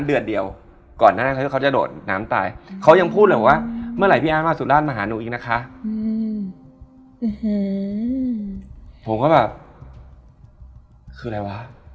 เรื่องมันอาจจะไม่ฟังดูแบบไม่น่ากลัว